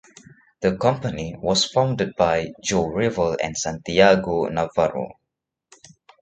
The company was founded by Joe Revell and Santiago Navarro.